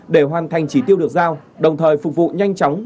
để hoàn thành chỉ tiêu được giao đồng thời phục vụ nhanh chóng